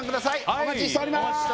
お待ちしております